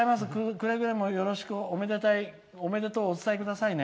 くれぐれもよろしく、おめでとうをお伝えくださいね。